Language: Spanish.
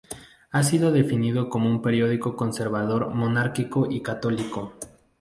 Ha sido definido como un periódico conservador, monárquico y católico.